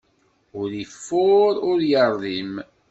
Ur ifuṛ, ur iṛdim.